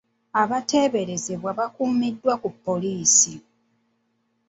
Abateeberezebwa bakuumibwa ku poliisi.